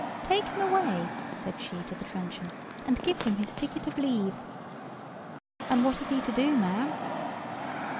"Take him away," said she to the truncheon, "and give him his ticket of leave." "And what is he to do, ma'am?"